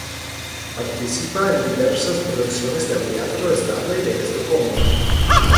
Participa en diversas producciones del Teatro Estable de Estocolmo.